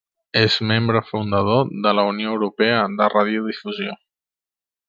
És membre fundador de la Unió Europea de Radiodifusió.